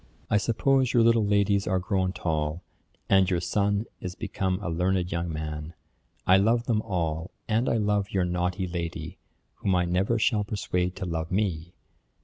'I suppose your little ladies are grown tall; and your son is become a learned young man. I love them all, and I love your naughty lady, whom I never shall persuade to love me.